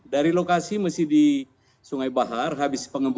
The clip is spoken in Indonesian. dan saya terima kasih juga pak bik nerves